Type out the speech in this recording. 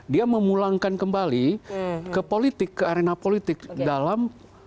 dia memulangkan kembali ke politik ke arena politik dalam